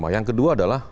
yang kedua adalah